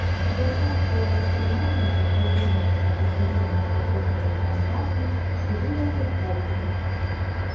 Японскія прадпрымальнікі садзейнічалі пашырэнню какосавых плантацый і вывазу копры.